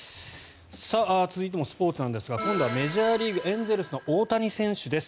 続いてもスポーツなんですが今度はメジャーリーグエンゼルスの大谷選手です。